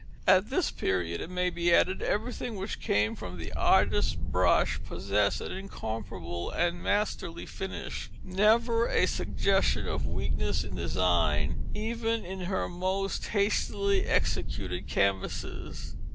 At this period, it may be added, everything which came from the artist's brush possessed an incomparable and masterly finish. Never a suggestion of weakness in design even in her most hastily executed canvases.